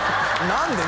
何で？